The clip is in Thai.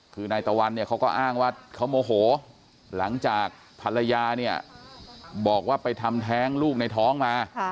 คือนายตะวันเนี่ยเขาก็อ้างว่าเขาโมโหหลังจากภรรยาเนี่ยบอกว่าไปทำแท้งลูกในท้องมา